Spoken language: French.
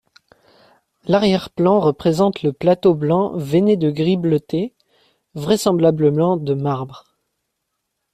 L'arrière-plan représente le plateau blanc veiné de gris bleuté, vraisemblablement de marbre.